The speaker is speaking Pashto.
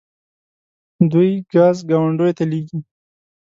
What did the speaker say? دوی ګاز ګاونډیو ته لیږي.